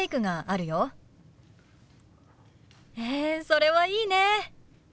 へえそれはいいね。